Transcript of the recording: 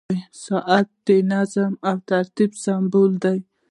• ساعت د نظم او ترتیب سمبول دی.